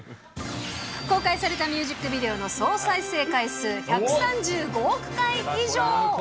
公開されたミュージックビデオの総再生回数１３５億回以上。